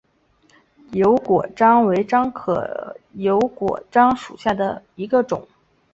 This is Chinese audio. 油果樟为樟科油果樟属下的一个种。